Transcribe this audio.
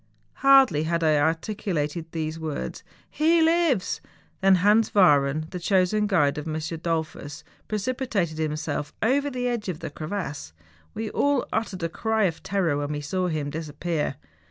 Hardly had I articulated those words, ' He lives !' than Hans Wahren, the chosen guide of M. Dollfus, precipitated himself over the edge of the crevasse. We all uttered a cry of terror when we saw him disappear.